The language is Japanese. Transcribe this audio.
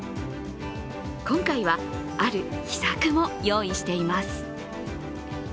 今回はある秘策も用意しています。